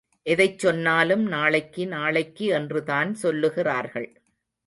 எதைச் சொன்னாலும் நாளைக்கு நாளைக்கு என்றுதான் சொல்லுகிறார்கள்.